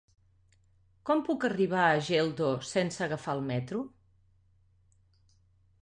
Com puc arribar a Geldo sense agafar el metro?